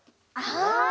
ああ！